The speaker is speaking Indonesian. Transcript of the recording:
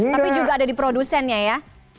tapi juga ada di produsennya ya